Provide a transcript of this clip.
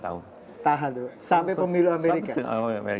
tahan dulu sampai pemilu amerika